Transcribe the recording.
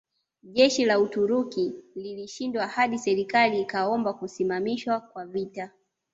Jeshi la Uturuki lilishindwa hadi serikali ya ikaomba kusimamishwa kwa vita